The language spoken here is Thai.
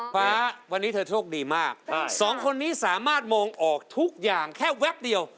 ฟ้าวันนี้เธอโชคดีมากสองคนนี้สามารถมองออกทุกอย่างแค่แวบเดียว